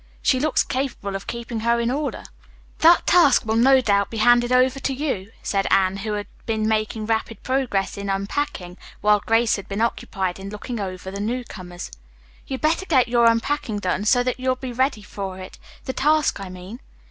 She looks capable of keeping her in order." "That task will, no doubt, be handed over to you," said Anne, who had been making rapid progress in unpacking, while Grace had been occupied in looking over the newcomers. "You'd better get your unpacking done, so that you'll be ready for it the task, I mean."